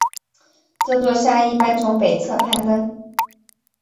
这座山一般从北侧攀登。